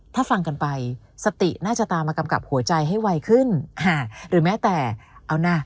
ถ้าฟังกันไปสติน่าจะตามมากำกับหัวใจให้ไวขึ้นหรือแม้แต่เอานะ